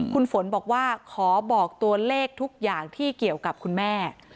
คุณฝนบอกว่าขอบอกตัวเลขทุกอย่างที่เกี่ยวกับคุณแม่